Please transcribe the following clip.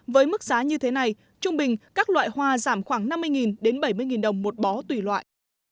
với mức giá như thế này trung bình các loại hoa giảm khoảng năm mươi đến bảy mươi đồng một bó tùy loại